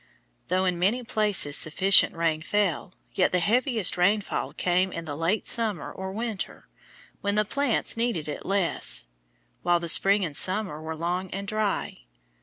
Though in many places sufficient rain fell, yet the heaviest rainfall came in the late summer or winter, when the plants needed it less, while the spring and summer were long and dry.